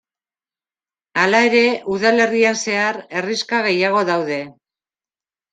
Hala ere, udalerrian zehar herrixka gehiago daude.